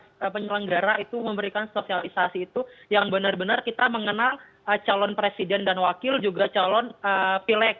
karena dari pihak penyelenggara itu memberikan sosialisasi itu yang benar benar kita mengenal calon presiden dan wakil juga calon pilek